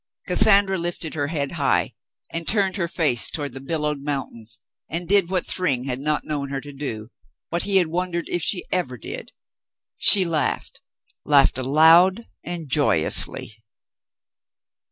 Cassandra lifted her head high and turned her face toward the bil lowed mountains, and did what Thryng had not known her to do, what he had wondered if she ever did — She laughed — laughed aloud and joyously.